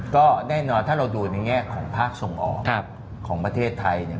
ก็แน่นอนถ้าเราดูในแง่ของภาคส่งออกของประเทศไทยเนี่ย